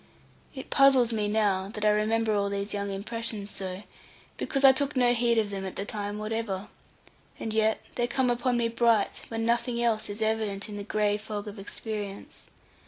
It puzzles me now, that I remember all those young impressions so, because I took no heed of them at the time whatever; and yet they come upon me bright, when nothing else is evident in the gray fog of experience.